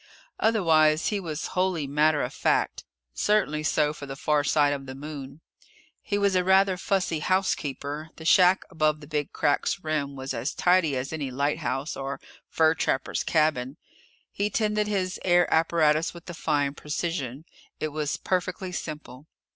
Otherwise, he was wholly matter of fact certainly so for the far side of the Moon. He was a rather fussy housekeeper. The shack above the Big Crack's rim was as tidy as any lighthouse or fur trapper's cabin. He tended his air apparatus with a fine precision. It was perfectly simple.